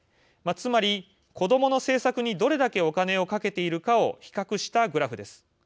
つまり、子どもの政策にどれだけお金をかけているかを比較したグラフです。